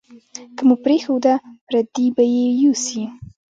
که مو پرېښوده، پردي به یې یوسي.